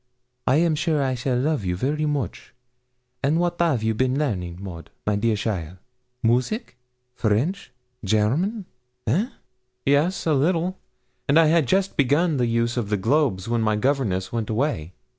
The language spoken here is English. and I am sure I shall love you vary moche. And what 'av you been learning, Maud, my dear cheaile music, French, German, eh?' 'Yes, a little; and I had just begun the use of the globes when my governess went away.'